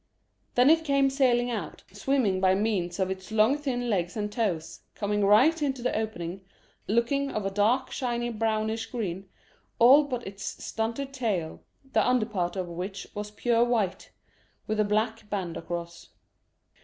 ] Then it came sailing out, swimming by means of its long thin legs and toes, coming right into the opening, looking of a dark shiny brownish green, all but its stunted tail, the under part of which was pure white, with a black band across.